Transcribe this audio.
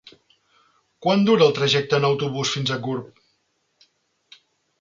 Quant dura el trajecte en autobús fins a Gurb?